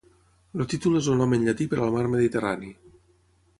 El títol és el nom en llatí per al Mar Mediterrani.